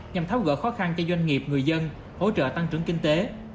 nhằm tháo gỡ khó khăn cho doanh nghiệp người dân hỗ trợ tăng trưởng kinh tế